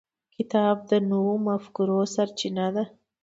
کتاب د نوو مفکورو سرچینه ده.